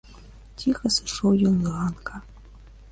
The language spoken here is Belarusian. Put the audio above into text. Ціха сышоў ён з ганка.